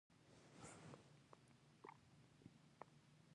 انګلیسي د زده کړو سرچینه ده